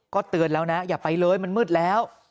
เตือนแล้วนะอย่าไปเลยมันมืดแล้ว